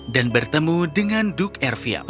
dan bertemu dengan duk erfiam